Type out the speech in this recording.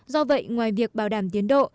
do vậy ngoài việc bảo đảm tiến độ